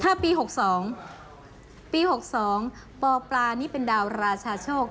ถ้าปี๖๒ปี๖๒ปปลานี่เป็นดาวราชาโชค